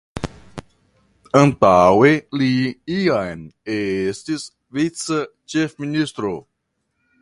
Antaŭe li jam estis vica ĉefministro.